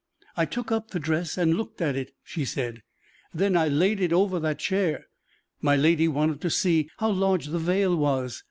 "I took up the dress and looked at it," she said, "then I laid it over that chair. My lady wanted to see how large the veil was.